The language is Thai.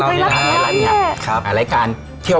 อืมไทรลัสไทรลัสเนี่ย